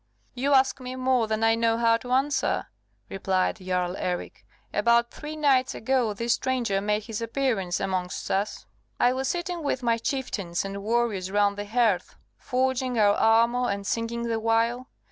"You ask me more than I know how to answer," replied Jarl Eric. "About three nights ago this stranger made his appearance amongst us. I was sitting with my chieftains and warriors round the hearth, forging our armour, and singing the while.